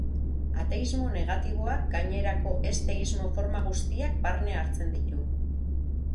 Ateismo negatiboak gainerako ez-teismo forma guztiak barne hartzen ditu.